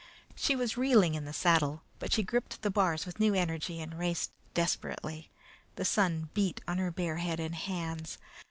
She was reeling in the saddle, but she gripped the bars with new energy, and raced desperately. The sun beat on her bare head and hands.